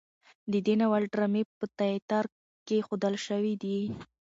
د دې ناول ډرامې په تیاتر کې ښودل شوي دي.